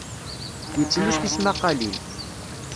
Yettlus tismaqalin.